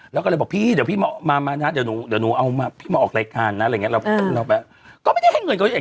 แล้วก็เลยบอกพี่จะนูเอาใหม่มาออกรายการนะเนื่อยกะ